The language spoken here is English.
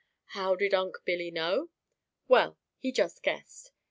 How did Unc' Billy know? Well, he just guessed.